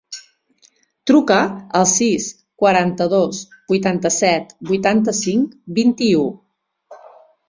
Truca al sis, quaranta-dos, vuitanta-set, vuitanta-cinc, vint-i-u.